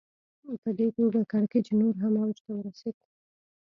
په دې توګه کړکېچ نور هم اوج ته ورسېد